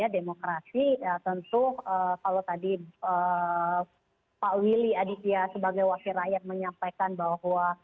demokrasi tentu kalau tadi pak willy aditya sebagai wakil rakyat menyampaikan bahwa